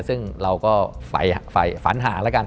ซึ่งเราก็ไปฝันหาแล้วกัน